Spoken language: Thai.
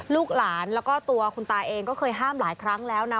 ลูกหลานแล้วก็ตัวคุณตาเองก็เคยห้ามหลายครั้งแล้วนะ